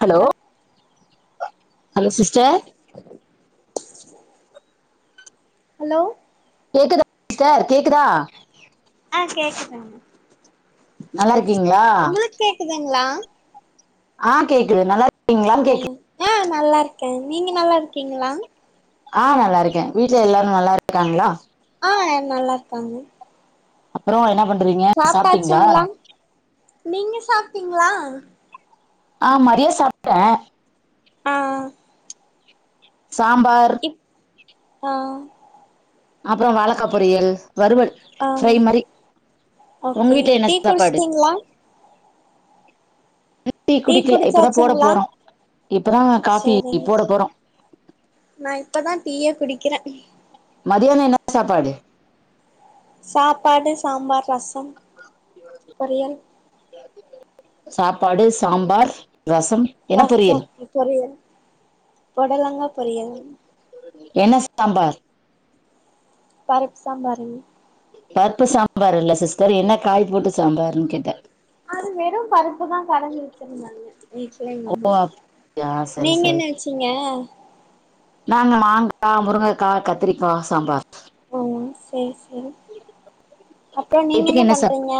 hello ஹல் hello sister hello கேக்குதா sister கேக்குதா ஆ கேக்குதுங்க நல்லா இருக்கீங்ளா இதுங்ளா அ கேக்குது நல்லார் அ நல்லா இருக்க நீங்க நல்லா இருக்கீங்ளா ஆ நல்லா இருக்க வீட்ல எல்லாரு நல்லா இருக்காங்களா ஆ எல்லா நல்லா இருக்காங்க அப்புறோ என்ன பண்றீங்க சாப்ட்டீங்ளா சாப்ட்டாச்சுங்களா நீங்க சாப்ட்டீங்ளா ஆ மதிய சாப்ட ஆ சாம்பார் ஆ அப்புறோ வாழக்கா பொரியல் வறுவல் ஆ ஃப்ரை மாரி உங்க ஓகே வீட்ல என்ன டீ சாப்பாடு குடிச்சிட்டீங்களா இன்னு டி டீ குடிக்கல இப்பதா போட குடிச்சாச்சுங்களா போறோ இப்பதா காஃபி சேரிங்க போட போறோ நா இப்பதா டீயே குடிக்கிற மதியானோ என்ன சாப்பாடு சாப்பாடு சாம்பார் ரசம் பொரியல் சாப்பாடு சாம்பார் ரசம் என்ன ரசோ பொரியல் பொரியல் பொடலங்கா பொரியல் என்ன சாம்பார் பருப் சாம்பாருங் பருப்பு சாம்பார் இல்ல சிஸ்டர் என்ன காய் போட்டு சாம்பார்ன்னு கேட்ட அது வெறு பருப்புதா கடஞ்சி வச்சிருந்தாங்க வீட்ல எங்கம்மா ஓ அப்படியா சரி நீங்க என்ன வச்சீங்க நா மாங்கா முருங்கக்கா கத்திரிக்கா சாம்பார் ம் சேரி சேரி அப்புறோ நீங்க நைட்டுக்கு என்ன பண்றீங்க சாப்பாடு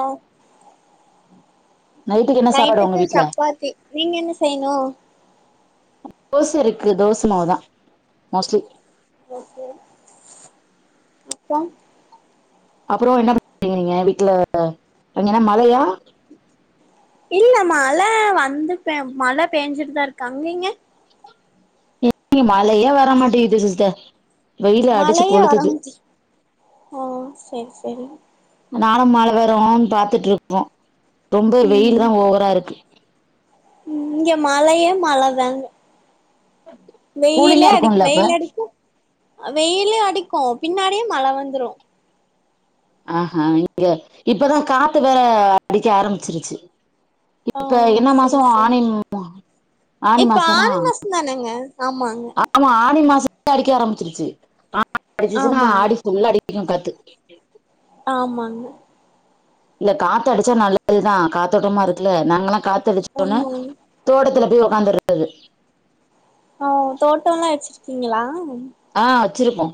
நைட்டுக்கு என்ன சாப்பாடு உங்க நைட்டுக்கு வீட்ல சப்பாத்தி நீங்க என்ன செய்ணு தோச இருக்கு தோச மாவு தா மோஸ்ட்லி ஓகே அப்றம் அப்புறோ என்ன பண்றீங்க நீங்க வீட்ல அங்க என்ன மழையா இல்ல மழ வந்து பே மழ பேஞ்சுட்டுதா இருக்கு அங்கீங்க எங்க மழையே வர மாட்டேங்குது சிஸ்டர் வெயில அடிச்சு மழையே கொளுத்துது வரமாட்டிக்கு ஆ செரி செரி நானு மழ வருன் பாத்துட்டு இருக்கோ ரொம்ப வெயில் தா ஓவரா இருக்கு ம் இங்க மழயே மழ தாங்க வெயிலே கூலிங்கா அடிக்கு இருக்கும்ல அப்ப வெயில் அடிக்கு வெயிலே அடிக்கு பின்னாடியே மழ வந்துரு ஆஹா இங்க இப்பதா காத்து வேற அடிக்க ஆரம்பிச்சிருச்சு ஓ இப்ப என்ன மாசோ சேரி சேரி ஆனின் மா ஆனி இப்ப மாசமா ஆனி மாசோ தானங்க ஆமாங்க ஆமா ஆனி மாச அடிக்க ஆரம்பிச்சிருச்சு ஆ அடிச்சுச்சுன்னா ஆமாங்க ஆடி ஃபுல்லா அடிக்கு காத்து ஆமாங்க இல்ல காத்து அடிச்சா நல்லதுதா காத்தோட்டமா இருக்குல்ல நாங்கல்லா காத்து அடிச்சோன்னே ஆமாங்க தோட்டத்துல போய் ஒக்காந்துர்றது ஓ தோட்டோல்லா வச்சிருக்கீங்களா ஆ வச்சிருப்போ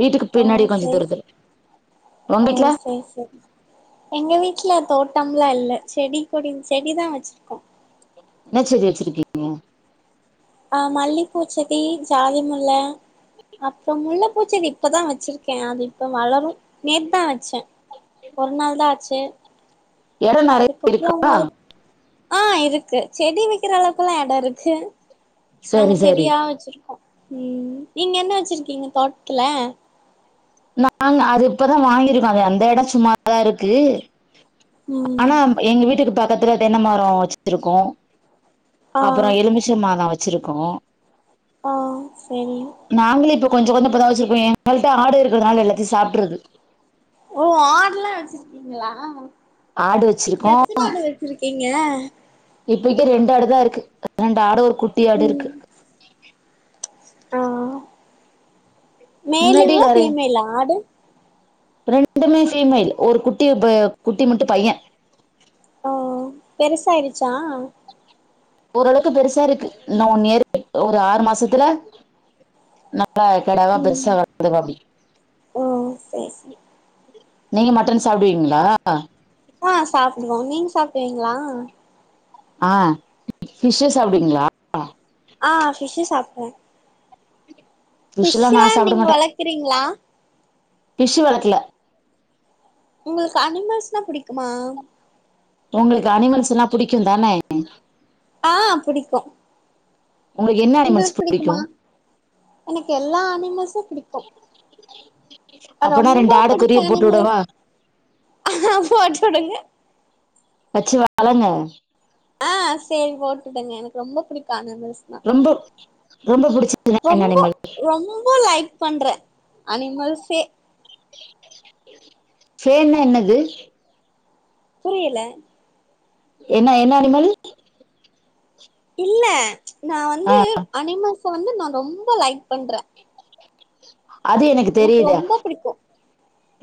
வீட்டுக்கு ஓ பின்னாடி கொஞ்ச சேரி தூரத்துல ஒங்க ஓ வீட்ல சேரி சேரி எங்க வீட்ல தோட்டம்லா இல்ல செடி கொடி செடி தா வச்சிருக்கோ என்ன செடி வச்சுரிக்க ஆ மல்லிப்பூச் செடி ஜாதி முல்ல அப்றோ முல்ல பூச்செடி இப்பதா வச்சிருக்கே அது இப்ப வளரு நேத்தா வச்சே ஒரு நாள் தா ஆச்சு எடோ நெறைய அதுக்கப்புறோ இருக்கா ஆ இருக்கு செடி வைக்கிற அளவுக்கெல்லா எடோ இருக்கு நாங்க சரி சரி செடியா வச்சிருக்கோ நீங்க ம் என்ன வச்சிருக்கீங்க தோட்டத்துல நாங்க அது இப்பதா வாங்கிருக்கோ அது அந்த எடோ சும்ம தா இருக்கு அ ம் எங்க வீட்டுக்கு பக்கத்துல தென்ன மரோ வச்சிருக்கோ ஆ அப்புறோ எலுமிச் ச்ச மரோ வச்சிருக்கோ ஆ சேரிங்க நாங்களு இப்போ கொஞ்ச கொஞ்சோ இப்போதா வச்சிருக்கோ எங்கள்ட்ட ஆடு இருக்கறதுனால எல்லத்தையு சாப்ட்ருது ஓ ஆடுல்லா வச்சிருக்கீங்களா ஆடு வச்சிருக்கோ எத்தன ஆடு வச்சிருக்கீங்க இப்பைக்கு ரெண்டு ஆடு தா இருக்கு ரெண்டு ஆடு ஒரு குட்டி ஆடு ம் இருக்கு ஆ முன்னாடி மேலுங்களா நெறை ஃபீமேலா ஆடு ரெண்டுமே ஃபீமேல் ஒரு குட்டி ப குட்டி மட்டு பையன் ஓ பெருசாயிடுச்சா ஓரளவுக்கு பெருசா இருக்கு இன்னு ஒன் இயர் ஒரு ஆறு மாசத்துல நல்லா கெடாவா ம் பெருசா வளந்துருவாப்படி ஓ சரி சரி நீங்க மட்டன் சாப்புடுவீங்களா ஆ சாப்டுவோ நீங்க சாப்டுவீங்களா ஆ ஃபிஷ்சு சாப்டுவீங்களா ஆ ஃபிஷ்சு சாப்டுவ ஃபிஷ்லா நா ஃபிஷ்சுலா சாப்ட நீங்க வளக்குறீங்களா ஃபிஷ்ஷு வளக்கல உங்களுக்கு அனிமல்ஸ்னா புடிக்குமா உங்களுக்கு அனிமல்ஸ்ஸுனா புடிக்கு தானே ஆ புடிக்கு உங்களுக்கு என்ன அனிமல்ஸ் உங்களுக்கு புடிக்கு பிடிக்குமா எனக்கு எல்லா அனிமல்சும் பிடிக் கு அப்பனா ரெண்டு ரொம்ப ஆட புடிச்ச கொரியர் போட்டு விடவா அனிமல்ஸ் போட்டுடுங்க வச்சு வளங்க ஆ சேரி போட்டுடுங்க எனக்கு ரொம்ப பிடிக்கு அனிமல்ஸ்னா ரொம்போ ரொம்ப புடிச்சு ரொம்போ ரொம்போ லைக் பண்றே அனிமல்ஸே ஃபேன்னா என்னது புரியல என்ன என்ன அனிமலு இல்ல நா ஆ வந்து அனிமல்ஸ வந்து நா ரொம்ப லைக் பண்ற அது எனக்கு தெரிது ரொம்ப பிடிக்கு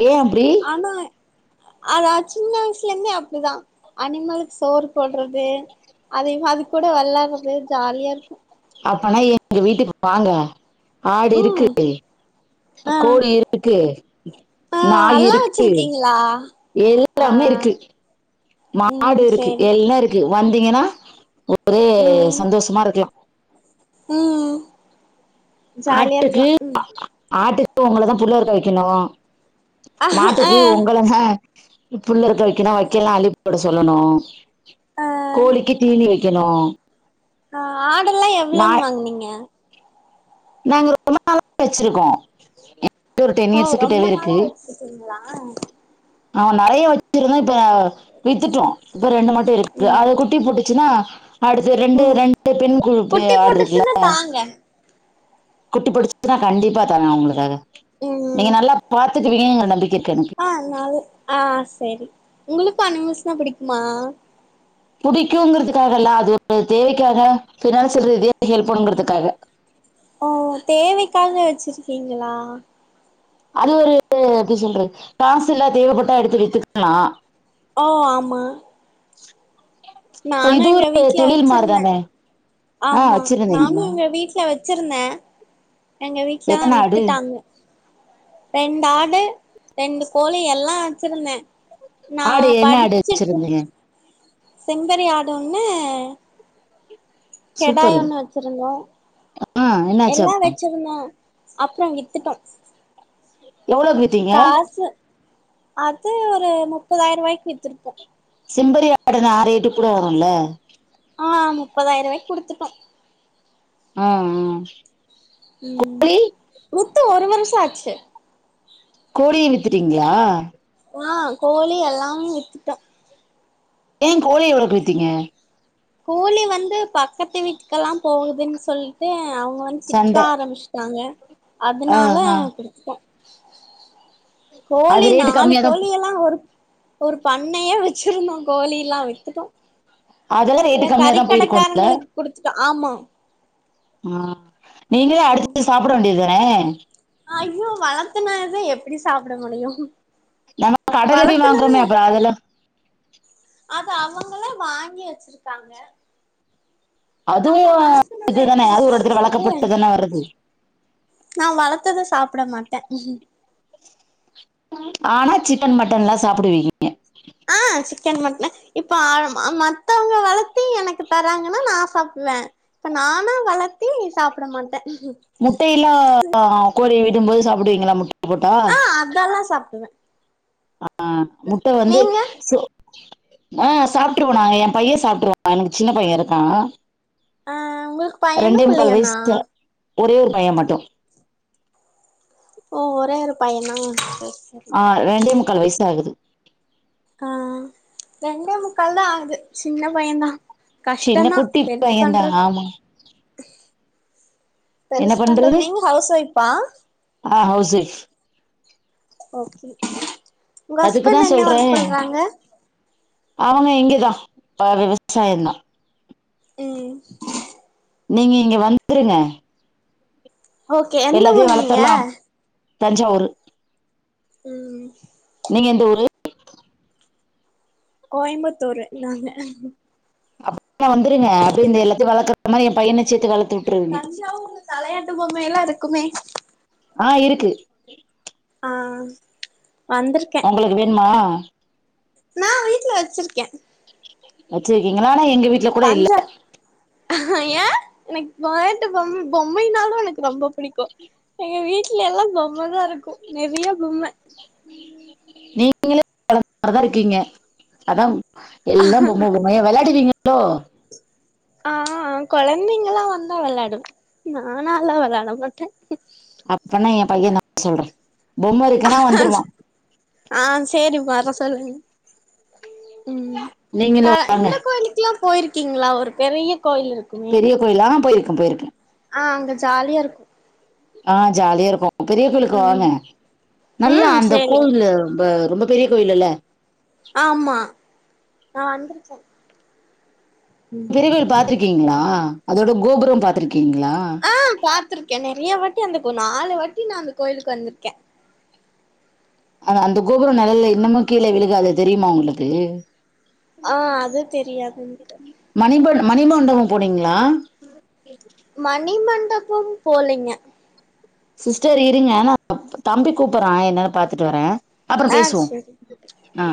ஏன் அப்டி ஆனா ஆ நா சின்ன வய்ஸ்ல இருந்தே அப்டிதா அனிமலுக் சோறு போட்றது அதேமா அது கூட வெளாடுறது ஜாலியா இருக்கு அப்பனா எங்க வீட்டுக்கு வாங்க ஆடு இருக்கு ம் ஆ கோழி இருக்கு நாய் இருக்கு ங்ளா எல்லாமே இருக்கு ம் மாடு இருக்கு சேரி எல்லா இருக்கு வந்தீங்கனா எ ஒரே ம் சந்தோஷ்மா இருக்லா ம் ஜாலியா இருக்லா ம் ஒங்களதா புல்லருக்க வைக்கெணு ஆ ஆ மாட்டுக்கு ஒங்களதா புல்லருக்க வைக்கனு வைக்கலா அள்ளி போட சொல்லணு ஆ கோழிக்கு தீனி வைக் கெனு ஆ ஆடெல்லா எவ்ளோன் வாங்னீங்க நாங்க ரொம்ப நாளா வச்சிருக்கோ [inaudible] ஒரு டென் இயர்ஸ்க்கிட்டவே இருக்கு இதுங்ளா ஆமா நெறைய வச்சிருந்தோ இப்ப வித்துட்டோ இப்ப ரெண்டு மட்டு இருக்கு ம் அத குட்டி போட்டு ச்சுனா அடுத்து ரெண்டு ம் ரெண்டு பெண் குறுப்பே குட்டி ஆடுருக்குல போட்டுச்சுன்னா தாங்க குட்டி போட்டுச்சுனா கண்டிப்பா தாரேன் உங்ளுக் அத ம் நீங்க நல்லா பாத்துக்குவீங்கங்ற நம்பிக்க இருக்கு எனக்கு நல்லாவே ஆ சேரி உங்குளுக்கு அனிமல்ஸ்னா பிடிக்குமா புடிக்குங்கிறதுக்காகல அது ஒரு தேவைக்காக பினான்சியல் ரீதியா ஹெல்ப் பண்ணுங்கறதுக்காக ஓ தேவைக்காக வச்சிருக்கீங்களா அது ஒரு எப்டி சொல்றது காசில்ல தேவப்பட்டா எடுத்து வித்துக் [inaudible] லா ஓ ஆமா இப்ப நானு இது எங்க ஒரு வீட்ல தொழில் வச்சிருந்த மாரிதானே ஆ ஆமா நானு வச்சிருந்தீங்களா எங்க வீட்ல வச்சிருந்த எங்க வீட்லதா எத்தன ஆடு வித்துட்டாங்க ரெண்டு ஆடு ரெண்டு கோழி எல்லா வச்சிருந்தே நா ஆடு என்ன ஆடு படிச்சிட்ரு வச்சிருந்தீங்க செம்பறி ஆடு ஒன்னு கெடாய் சூப்பரு ஒன்னு வச்சிருந்தோ ஆ எல்லா என்னாச்சு வச்சிருந்தோ அப்றோ வித்துட்டோ எவுளோக்கு வித் காசு அது ஒரு முப்பதாய்ர்வாய்க் வித்திருப்போ செம்பறி ஆடுன்னா ரேட்டு கூட வருல்ல ஆ முப்பதாய்ர்ருவாய்க் குடுத்துட்டோ ஆ ஆ ம் கோழி குத்து ஒரு வருஷோ ஆச்சு கோழியு வித்துட்டீங்ளா ஆ கோழி எல்லாமே வித்துட்டோ ஏ கோழிய எவ்ளோக்கு வித்தீங்க கோழி வந்து பக்கத்து வீட்டுக்கெல்லா போகுதுன் சொல்ட்டு அவுங் க வந்து திட்ட சண்டை ஆரம்பிஸ்ட்டாங்க ஆ அதுனால ஆ குடுத்துட்டோ கோழி அது ரேட்டு நாலு கம்மியா தான் கோழி எல்லா ஒரு ஒரு பண்ணையே வெச்சிருந்தோ கோழில்லா வித்துட்டோ அதெல்லாம் இல்ல ரேட்டு கம்மியா தான் போயிருக்கும்ல கறிக்கடக்காரங்களுக் குடுத்துட்டோ ஆமா ஆ நீங்களே அடிச்சி சாப்ட வேண்டியத் தான ஐயோ வளத்துன இத எப்டி சாப்ட முடியு நம்ம கடையில போய் வளத்துனதே வாங்குறோமே அப்புறம் அதெல்லாம் அது அவங்களே வாங்கி வெச்சிருக்காங்க அதுவு வளர்த்துனத இது தான எப்டி அது ஒரு எடத்துல சாப்டுறது வளக்கப்பட்டு தான வருது நா வளத்துன சாப்ட மாட்ட ஆனா சிக்கன் மட்டன்லா சாப்புடுவீங்க ஆ சிக்கன், மட்டே இப்ப ஆ ம அ மத்தவங்க வளத்தி எனக்கு தராங்கன்னா நா சாப்டுவே இப்ப நானா வளத்தி சாப்ட மாட்ட முட்டயில்லா கோழி விடும்போது சாப்புடுவீங்களா முட்ட போட்டா ஆ அதெல்லா சாப்டுவே ஆ முட்ட வந்து நீங்க சோ ஆ சாப்ட்ருவ நா எ பைய சாப்ட்ருவா எனக்கு சின்ன பைய இருக்கா ஆ உங்கள்க் ரெண்டே முக்கால் வய்ஸ் தா ஒரே ஒரு பைய மட்டு ஓ ஒரே ஒரு பையனா சேரி ஆ ரெண்டே முக்கால் வய்சு தா ஆகுது ஆ ரெண்டே முக்கால் தா ஆகுது சின்ன பையந்தா சின்ன கஷ்டனா குட்டி பெருஸ் பையந்தா பண்றத் ஆமா பெருஸ் பண்றது நீங்க ஹவ்ஸ் ஒய்ஃபா ஆ ஹவ்ஸ் ஒய்ஃப் ஓகே உங்க அதுக்குதா ஹஸ்பண் என்ன சொல்றே ஒர்க் பண்றாங்க அவங்க இங்கதா அ விவசாயந்தா ம் நீங்க இங்க வந்துருங்க ஓகே எந்த எல்லாத்தையு ஊர் நீங்க வளத்தர்லாம் தஞ்சாவூரு ம் நீங்க எந்த ஊரு கோயம்புத்தூரு நாங்க [unintelligible] வந்துருங்க அப்டியே இந்த எல்லாத்தையு வளக்கற மாரி எ பையன சேர்த்து வளத்தியுட் தஞ்சாவூர்ல தலையாட்டு பொம்மையெல்லா இருக்குமே ஆ இருக்கு ஆ வந்திருக்கே உங்களுக்கு வேண்மா நா வீட்ல வச்சிருக்கே வச்சிருக்கங்கள ஆனா எங்க வீட்டுல பஞ்ச ஏ எனக்கு வெளயாட்டு பொம்ம பொம்மைனாலு எனக்கு ரொம்ப புடிக்கு எங்க வீடல எல்லா பொம்மதா தா இருக்கு நெறைய பொம்ம நீங்களு கொழந்த மாரிதா இருக்கீங்க அதா எல்லா பொம்ம பொம்யா ஏ விளையாடிவீங்களோ ஆ கொழந்தைங்கல்லா வந்தா விளாடு நாலா அதுல விளாட மட்டே அப்பனா என் பையன வர்சொல்றே பொம்ம இருக் ஆ செரி வர சொல்லுங்க ம் நீங்களு [unintelligible] வாங்க இந்த கோயிலுக்குல்லா போயிருக்கீங்களா ஒரு பெரிய கோயில் இருக்குமே கோயில்லா ஆ போயிருக்கே போயிருக்கே ஆ அங்க ஜாலியா இருக்கு ஆ ஜாலியா இருக்கு பெரிய கோயிலுக்கு ம் வாங்க நல்லா ம் அந்த சேரி கோயிலு ப ரொம்ப பெரிய கோயில்ல ஆமா நா வந்திருக்கே பெரிய கோயில் பாத்திருக்கீங்களா அதோட கோபுறோ பாத்திருக்கீங்களா ஆ பாத்திருக்கே நெறைய வாட்டி அந்த கோ நாலு வாட்டி நா அந்த கோயிலுக்கு வந்திருக்கே ஆனா அந்த கோபுறோ நிழல்ல இன்னமு கீழே விழுகாது அது தெரியுமா உங்களுக்கு ஆ அது தெரியாது என் மணிம மணிமண்டபோ போனீங்களா மணிமண்டபோ போலிங்க சிஸ்டர் இருங்க நா தம்பி கூப்பற என்னன்ன பாத்துட்டு வரே அப்ப்றோ ஆ பேசுவோ சேரி ஆ